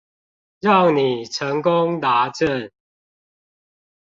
讓你成功達陣